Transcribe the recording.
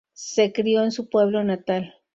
Se crió en su pueblo natal.